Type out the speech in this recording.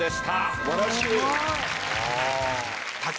素晴らしい。